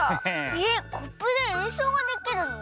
えっコップでえんそうができるの？